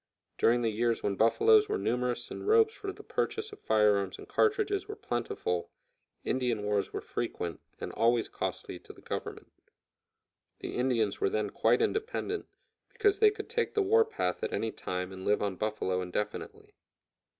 During the years when buffaloes were numerous and robes for the purchase of fire arms and cartridges were plentiful, Indian wars were frequent, and always costly to the Government. The Indians were then quite independent, because they could take the war path at any time and live on buffalo indefinitely.